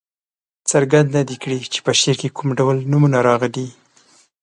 څرګنده دې کړي چې په شعر کې کوم ډول نومونه راغلي.